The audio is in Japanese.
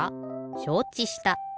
しょうちした。